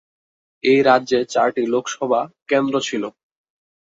এই রাজ্যে চারটি লোকসভা কেন্দ্র ছিল।